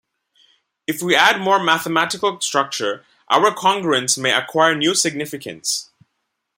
If we add more mathematical structure, our congruence may acquire new significance.